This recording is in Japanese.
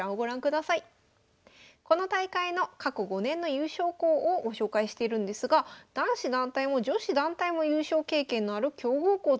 この大会の過去５年の優勝校をご紹介してるんですが男子団体も女子団体も優勝経験のある強豪校ということです。